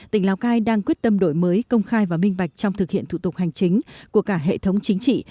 tỉnh lào cai đang quyết tâm đổi mới công khai và minh bạch trong thực hiện thủ tục hành chính của cả hệ thống chính trị